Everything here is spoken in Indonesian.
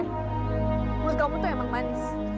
urus kamu itu emang manis